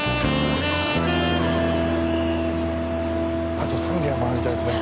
あと３軒は回りたいですね。